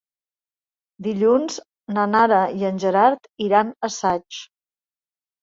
Dilluns na Nara i en Gerard iran a Saix.